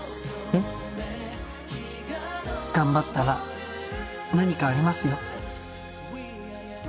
ん？頑張ったら何かありますよ。